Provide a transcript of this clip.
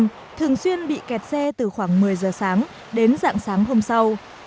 tỉnh quảng nam thường xuyên bị kẹt xe từ khoảng một mươi giờ sáng đến dạng sáng hôm sau